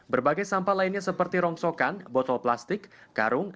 berbagai sampah lainnya seperti rongsokan botol plastik karung